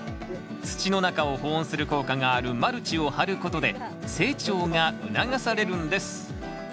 土の中を保温する効果があるマルチを張ることで成長が促されるんです